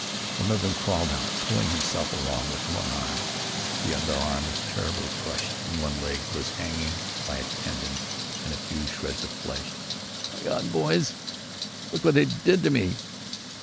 One of them crawled out, pulling himself along with one arm. The other arm was terribly crushed and one leg was hanging by a tendon and a few shreds of flesh. "My God, boys! Look wot they did to me!"